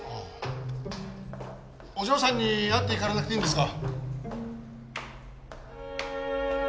お嬢さんに会っていかれなくていいんですか？